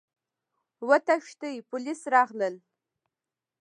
وتښتئ! پوليس راغلل!